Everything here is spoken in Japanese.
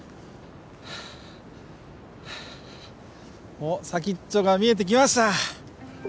おっ先っちょが見えてきました。